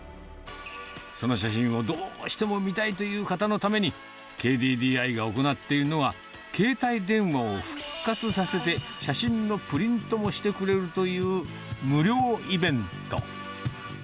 その写真をどうしても見たいという方のために、ＫＤＤＩが行っているのは、携帯電話を復活させて、写真のプリントもしてくれるという無料イベント。